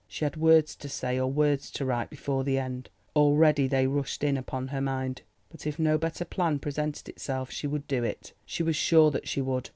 She had words to say—or words to write—before the end. Already they rushed in upon her mind! But if no better plan presented itself she would do it, she was sure that she would.